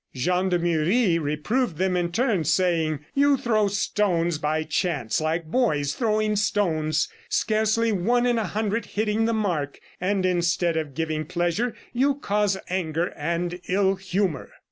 Jean de Muris reproved them in turn, saying: "You throw tones by chance, like boys throwing stones, scarcely one in a hundred hitting the mark, and instead of giving pleasure you cause anger and ill humor."